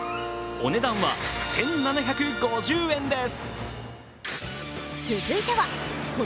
お値段は１７５０円です。